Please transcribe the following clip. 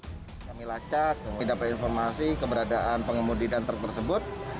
kami lacak tidak berinformasi keberadaan pengemudi dan truk tersebut